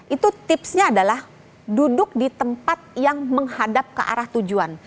itu tipsnya adalah duduk di tempat yang menghadap ke arah tujuan